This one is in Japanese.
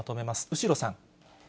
後呂さん。